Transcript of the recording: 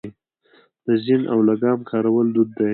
د زین او لګام کارول دود و